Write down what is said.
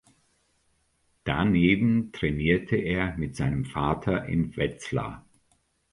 Daneben trainierte er mit seinem Vater in Wetzlar.